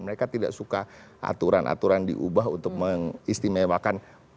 mereka tidak suka aturan aturan diubah untuk mengistimewakan